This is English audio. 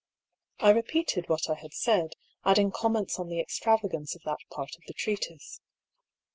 I repeated what I had said, adding comments on the extravagance of that part of the treatise.